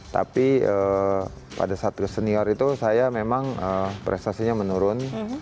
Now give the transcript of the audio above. tapi pada saat ke senior itu saya memang prestasinya menurun